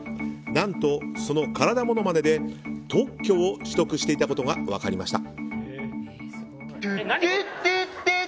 何とその体モノマネで特許を取得していたことが分かりました。